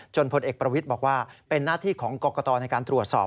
พลเอกประวิทย์บอกว่าเป็นหน้าที่ของกรกตในการตรวจสอบ